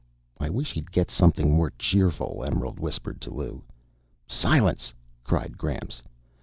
"I wish he'd get something more cheerful," Emerald whispered to Lou. "Silence!" cried Gramps.